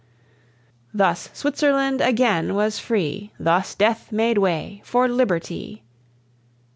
Thus Switzerland again was free; Thus Death made way for Liberty!